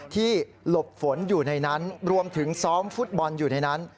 หลบฝนอยู่ในนั้นรวมถึงซ้อมฟุตบอลอยู่ในนั้น